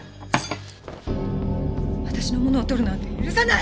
私のものを取るなんて許さない！